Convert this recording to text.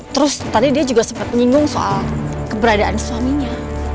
terus tadi dia juga sempat menyinggung soal keberadaan suaminya